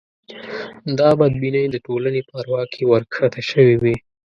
دا بدبینۍ د ټولنې په اروا کې ورکښته شوې وې.